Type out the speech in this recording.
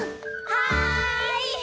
はい！